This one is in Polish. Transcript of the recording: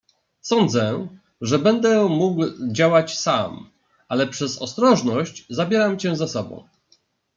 "Sądzę, że będę mógł działać sam, ale przez ostrożność zabieram cię ze sobą."